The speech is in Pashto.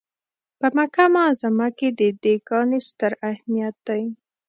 په مکه معظمه کې د دې کاڼي ستر اهمیت دی.